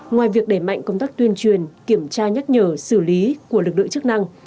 ngoài việc đẩy mạnh công tác tuyên truyền kiểm tra nhắc nhở xử lý của lực lượng chức năng